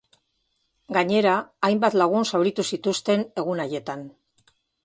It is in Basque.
Gainera, hainbat lagun zauritu zituzten egun haietan.